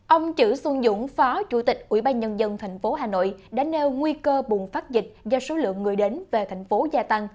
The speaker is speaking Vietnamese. ông chữ xuân dũng phó chủ tịch ủy ban nhân dân tp hà nội đã nêu nguy cơ bùng phát dịch do số lượng người đến về thành phố gia tăng